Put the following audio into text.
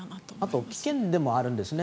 あと危険でもあるんですね。